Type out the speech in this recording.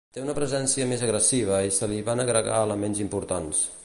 Té una presència més agressiva i se li van agregar elements importants.